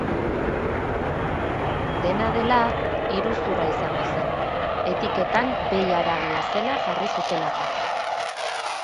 Dena dela, iruzurra izango zen, etiketan behi haragia zela jarri zutelako.